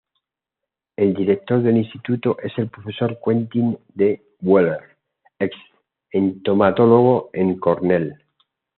El director del instituto es el profesor Quentin D. Wheeler, ex entomólogo en Cornell.